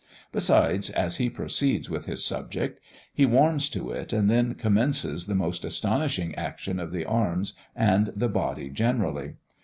Besides, as he proceeds with his subject, he warms to it, and then commences the most astonishing action of the arms and the body generally.